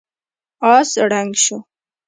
آس ړنګ شو.